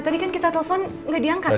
tadi kan kita telpon gak diangkat kan